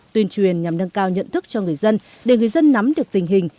tuyên truyền nhằm nâng cao nhận thức cho người dân để người dân nắm được tình hình